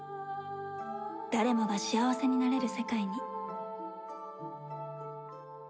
誰もが幸せになれる世界に